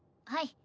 はい。